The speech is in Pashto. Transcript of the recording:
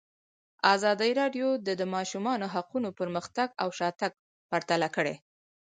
ازادي راډیو د د ماشومانو حقونه پرمختګ او شاتګ پرتله کړی.